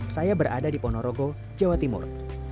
saya berada di ponorogo jawa timur